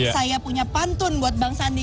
saya punya pantun buat bang sandi